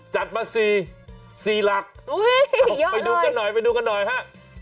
จัดมา๔๔หลักไปดูกันหน่อยไปดูกันหน่อยฮะ